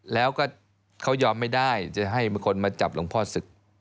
แล้วก็เขายอมไม่ได้จะให้คนมาจับหลวงพ่อศึก